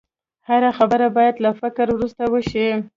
هره خبره باید له فکرو وروسته وشي